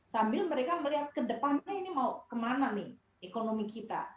sambil mereka melihat ke depannya ini mau kemana nih ekonomi kita